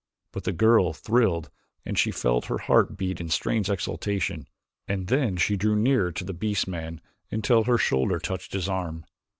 But the girl thrilled and she felt her heart beat in a strange exultation, and then she drew nearer to the beast man until her shoulder touched his arm.